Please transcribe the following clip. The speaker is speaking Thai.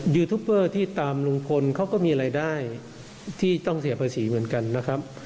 ยูทูปเปอร์ที่ตามลุงพลเขาก็มีรายได้ที่ต้องเสียภาษีเหมือนกันนะครับ